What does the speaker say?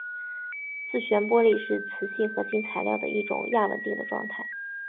自旋玻璃是磁性合金材料的一种亚稳定的状态。